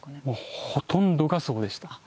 もうほとんどがそうでした。